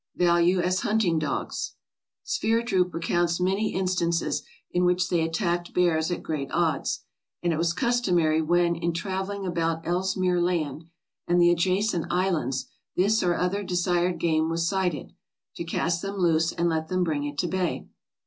Value as Hunting Dogs Sverdrup recounts many instances in which they attacked bears at great odds; and it was customary when, in traveling about Ellesmere Land and the adjacent islands, this or other desired game was sighted, to cast them loose and let them bring it to bay.